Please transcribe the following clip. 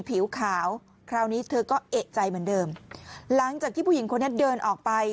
ผิวขาวคราวนี้เธอก็เอกใจเหมือนเดิมหลังจากที่ผู้หญิงคนนี้เดินออกไป